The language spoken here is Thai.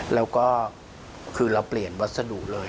แล้วก็คือเราเปลี่ยนวัสดุเลย